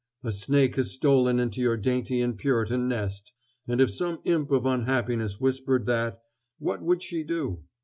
a snake has stolen into your dainty and Puritan nest" if some imp of unhappiness whispered that, what would she do?